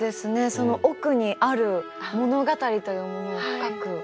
その奥にある物語というものを深く感じますね。